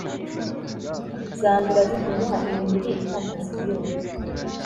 zandura zituma imibiri itakaza ibiro